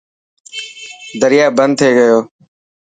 دريا بند ٿي گيو.